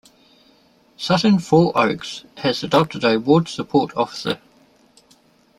Sutton Four Oaks has adopted a Ward Support Officer.